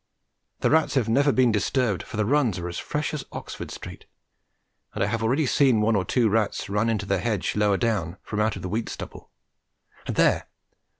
The rats have never been disturbed, for the runs are as fresh as Oxford Street, and I have already seen one or two rats run into the hedge lower down from out the wheat stubble, and, there!